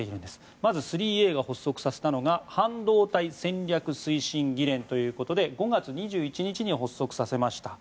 まず、３Ａが発足させたのは半導体戦略推進議連ということで５月２１日に発足させました。